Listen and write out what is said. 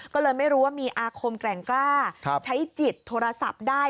ก็เลยไม่รู้ว่ามีอาคมแกร่งกล้าใช้จิตโทรศัพท์ได้